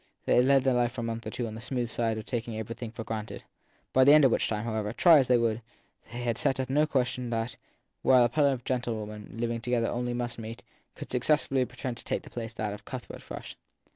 They led their life a month or two on the smooth ground of taking everything for granted ; by the end of which time, however, try as they would, they had set up no question that while they met as a pair of gentle women living together only must meet could successfully pretend to take the place of that of Cuthbert Frush.